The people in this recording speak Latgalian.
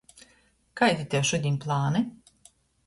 Kaidi tev šudiņ plani?